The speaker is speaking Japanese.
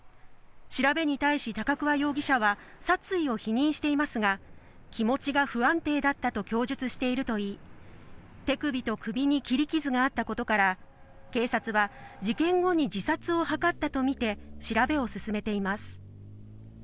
調べに対し高桑容疑者は、殺意を否認していますが、気持ちが不安定だったと供述しているといい、手首と首に切り傷があったことから、警察は事件後に自殺を図ったと見て、調べを進めています。